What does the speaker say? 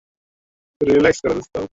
তখন দরজার বাইরে থেকে একটা আওয়াজ শুনতে পাই।